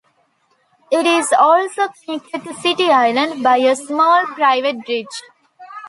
It is also connected to City Island by a small private bridge.